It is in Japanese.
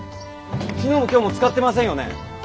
昨日も今日も使ってませんよね？